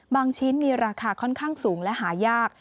ชิ้นมีราคาค่อนข้างสูงและหายาก